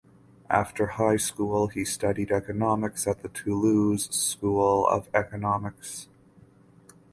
After high school he studied Economics at the Toulouse School of Economics.